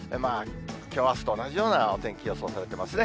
きょう、あすと同じようなお天気予想されてますね。